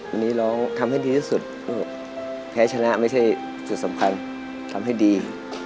วันนี้ร้องทำให้ดีที่สุดแพ้ชนะไม่ใช่จุดสำคัญทำให้ดี